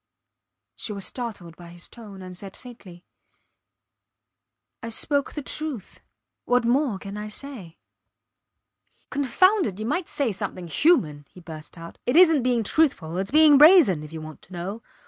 She was startled by his tone, and said faintly I spoke the truth. What more can I say? Confound it! You might say something human, he burst out. It isnt being truthful; its being brazen if you want to know.